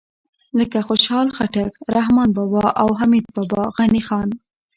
لکه خوشحال خټک، رحمان بابا او حمید بابا، غني خان